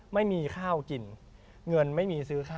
ไม่มีข้าวกินเงินไม่มีซื้อข้าว